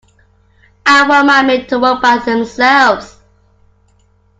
I want my men to work by themselves.